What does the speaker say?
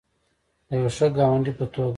د یو ښه ګاونډي په توګه.